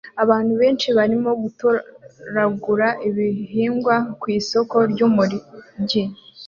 Abantu benshi barimo gutoragura ibihingwa ku isoko ryumujyi